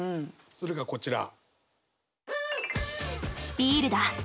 それがこちら。